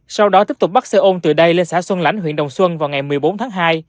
sau đó tiếp tục bắt xe ôn từ đây lên xã xuân lãnh huyện đồng xuân vào ngày một mươi bốn tháng hai